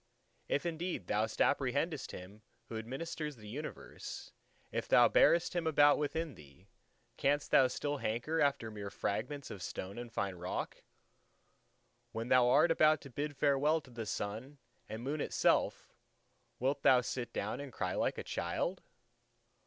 If indeed thou apprehendest Him who administers the universe, if thou bearest Him about within thee, canst thou still hanker after mere fragments of stone and fine rock? When thou art about to bid farewell to the Sun and Moon itself, wilt thou sit down and cry like a child?